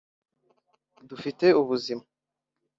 dufite ubuzima